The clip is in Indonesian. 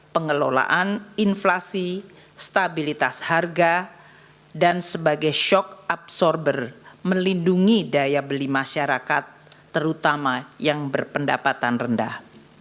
pengelolaan inflasi stabilitas harga dan sebagai shock absorber melindungi daya beli masyarakat terutama yang berpendapatan rendah